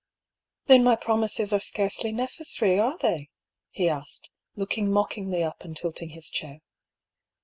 "Then my promises are scarcely necessary, are they?" he asked, looking mockingly up and tilting his chair.